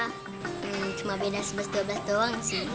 hmm cuma beda sebes dua belas doang sih